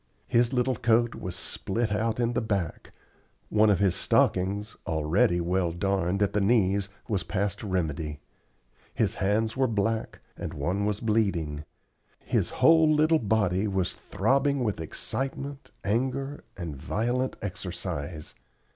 His little coat was split out in the back; one of his stockings, already well darned at the knees, was past remedy; his hands were black, and one was bleeding; his whole little body was throbbing with excitement, anger, and violent exercise.